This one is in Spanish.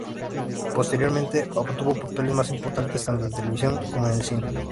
Posteriormente, obtuvo papeles más importantes, tanto en televisión como en el cine.